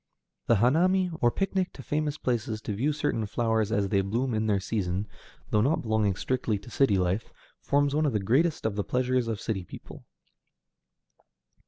The hanami, or picnic to famous places to view certain flowers as they bloom in their season, though not belonging strictly to city life, forms one of the greatest of the pleasures of city people.